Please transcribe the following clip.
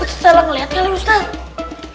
ustadz salah ngeliat kali ustadz